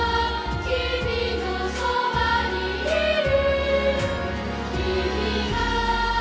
「君のそばにいる」